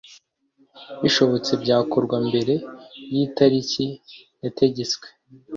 bishobotse byakorwa mbere y itariki yategetswe